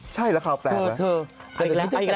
ใช่แล้วค่าแปลกเหรอ